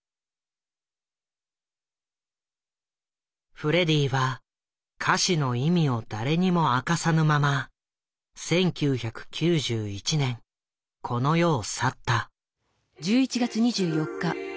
フレディは歌詞の意味を誰にも明かさぬまま１９９１年この世を去った。